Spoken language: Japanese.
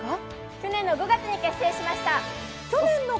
去年５月に結成しました。